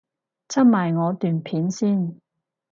出埋我段片先